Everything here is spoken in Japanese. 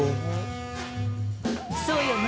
そうよね？